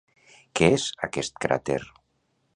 Què és aquest cràter?